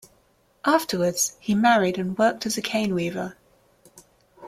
Afterwards, he married and worked as a cane weaver.